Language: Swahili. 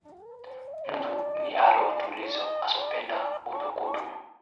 Mtu ni alo tulizo, asopenda utukutu